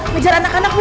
ngejar anak anak bu